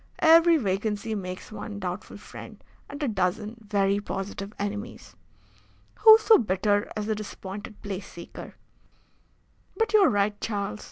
"Every vacancy makes one doubtful friend and a dozen very positive enemies. Who so bitter as the disappointed place seeker? But you are right, Charles.